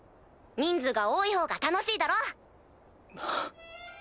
人数が多いほうが楽しいだろ？